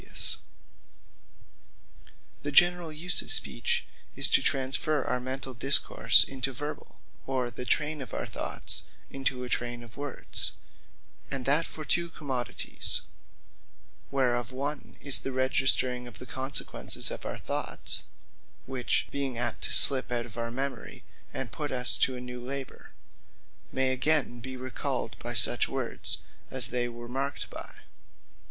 The Use Of Speech The generall use of Speech, is to transferre our Mentall Discourse, into Verbal; or the Trayne of our Thoughts, into a Trayne of Words; and that for two commodities; whereof one is, the Registring of the Consequences of our Thoughts; which being apt to slip out of our memory, and put us to a new labour, may again be recalled, by such words as they were marked by.